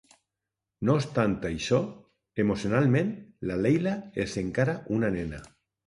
No obstant això, emocionalment la Leila és encara una nena.